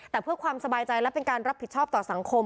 แต่เพื่อความสบายใจและเป็นการรับผิดชอบต่อสังคม